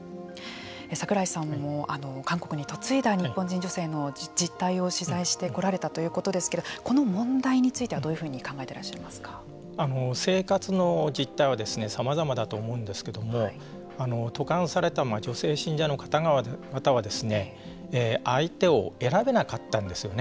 櫻井さんも韓国に嫁いだ日本人女性の実態を取材してこられたということですけれどもこの問題についてはどういうふうに考えて生活の実態はさまざまだと思うんですけれども渡韓された女性信者の方々は相手を選べなかったんですよね。